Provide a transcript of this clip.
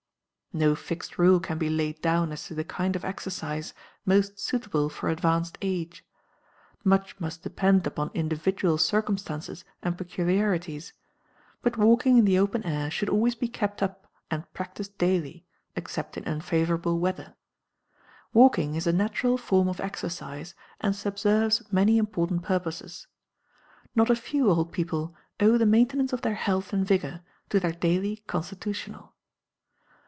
No fixed rule can be laid down as to the kind of exercise most suitable for advanced age. Much must depend upon individual circumstances and peculiarities; but walking in the open air should always be kept up and practiced daily, except in unfavourable weather. Walking is a natural form of exercise and subserves many important purposes: not a few old people owe the maintenance of their health and vigour to their daily "constitutional."